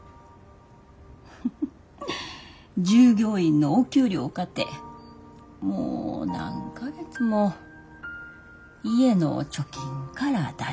従業員のお給料かてもう何か月も家の貯金から出してる。